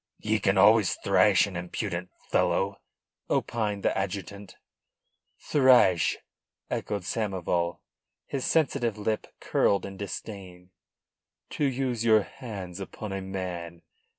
"Ye can always thrash an impudent fellow," opined the adjutant. "Thrash?" echoed Samoval. His sensitive lip curled in disdain. "To use your hands upon a man!"